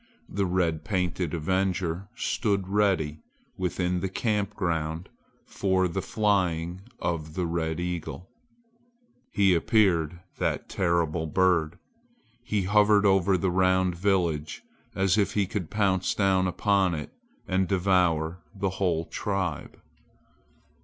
The red painted avenger stood ready within the camp ground for the flying of the red eagle. He appeared, that terrible bird! He hovered over the round village as if he could pounce down upon it and devour the whole tribe.